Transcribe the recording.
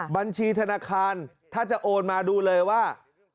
บัญชีธนาคารถ้าจะโอนมาดูเลยว่า